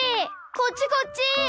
こっちこっち！